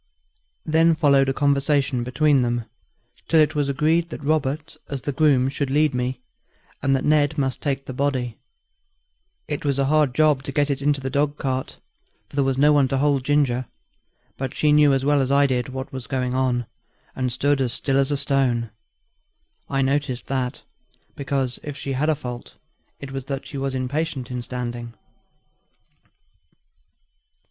Then followed a conversation between them, till it was agreed that Robert, as the groom, should lead me, and that Ned must take the body. It was a hard job to get it into the dog cart, for there was no one to hold Ginger; but she knew as well as I did what was going on, and stood as still as a stone. I noticed that, because, if she had a fault, it was that she was impatient in standing.